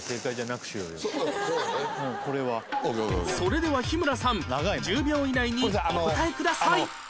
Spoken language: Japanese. それでは日村さん１０秒以内にお答えください